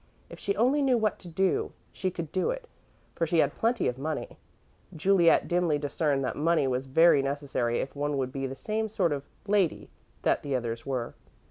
If she only knew what to do, she could do it, for she had plenty of money. Juliet dimly discerned that money was very necessary if one would be the same sort of "lady" that the others were.